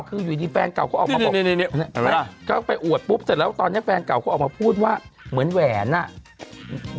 เธอเตรียมข่าวดิวออสิสลาคอันไก่หลังสุดเหมือนแทเรนนี่